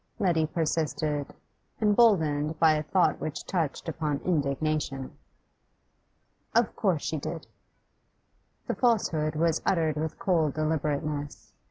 Letty persisted, emboldened by a thought which touched upon indignation. 'Of course she did.' The falsehood was uttered with cold deliberateness.